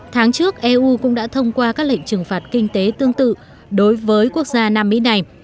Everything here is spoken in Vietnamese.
tháng trước eu cũng đã thông qua các lệnh trừng phạt kinh tế tương tự đối với quốc gia nam mỹ này